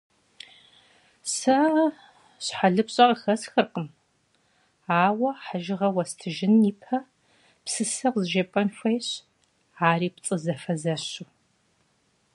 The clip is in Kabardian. - Сэ щхьэлыпщӀэ къыхэсхыркъым, ауэ хьэжыгъэ уэстыжын ипэ псысэ къызжепӀэн хуейщ, ари пцӀы зэфэзэщу.